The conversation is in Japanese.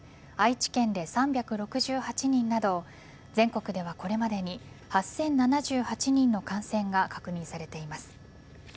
愛知県で３６８人など全国ではこれまでに８０７８人の感染が確認されています。